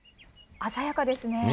鮮やかですね。